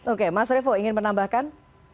oke mas revo ingin menambahkan